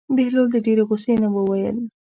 بهلول د ډېرې غوسې نه وویل.